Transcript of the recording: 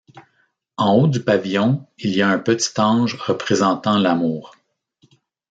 En haut du pavillon il y a un petit ange représentant l'amour.